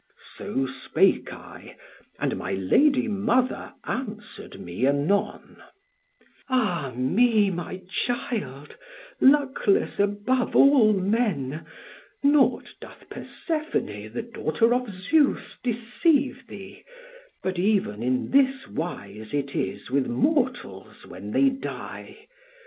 "So spake I, and my lady mother answered me anon: "'Ah me, my child, luckless above all men, nought doth Persephone, the daughter of Zeus, deceive thee, but even in this wise it is with mortals when they die.